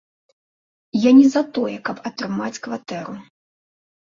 Я не за тое, каб атрымаць кватэру.